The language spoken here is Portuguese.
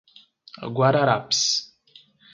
Guararapes